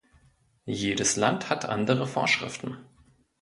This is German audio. Jedes Land hat andere Vorschriften.